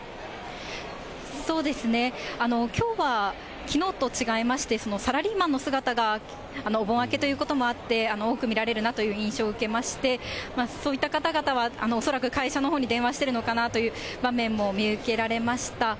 そうですね、きょうはきのうと違いまして、サラリーマンの姿が、お盆明けということもあって、多く見られるなという印象を受けまして、そういった方々は、恐らく会社のほうに電話してるのかなという場面も見受けられました。